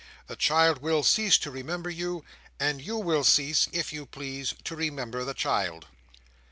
The child will cease to remember you; and you will cease, if you please, to remember the child."